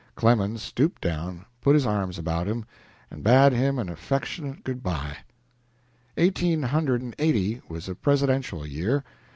Clemens stooped down, put his arms about him, and bade him an affectionate good by. Eighteen hundred and eighty was a Presidential year.